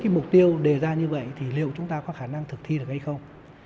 với mục tiêu đề ra như vậy liệu chúng ta có khả năng thực thi được hay không